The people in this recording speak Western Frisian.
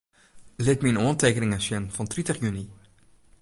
Lit myn oantekeningen sjen fan tritich juny.